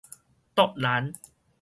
卓蘭